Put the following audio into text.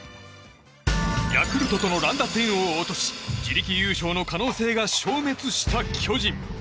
ヤクルトとの乱打戦を落とし自力優勝の可能性が消滅した巨人。